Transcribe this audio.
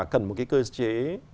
cần một cơ chế